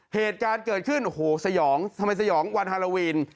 เหตุการณ์เกิดขึ้นโอ้โหสยองทำไมสยองวันฮาโลวีน